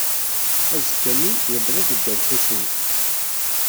Azekka-nni, yewweḍ-d Dda Lḥusin.